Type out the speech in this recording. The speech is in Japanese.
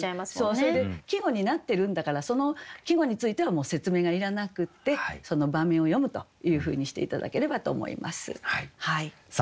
それで季語になってるんだからその季語についてはもう説明がいらなくってその場面を詠むというふうにして頂ければと思います。